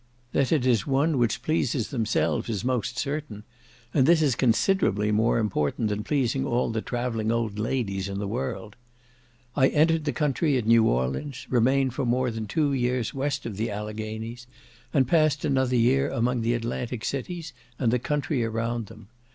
That it is one which pleases themselves is most certain, and this is considerably more important than pleasing all the travelling old ladies in the world. I entered the country at New Orleans, remained for more than two years west of the Alleghanies, and passed another year among the Atlantic cities, and the country around them.